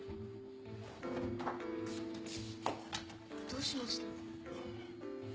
どうしました？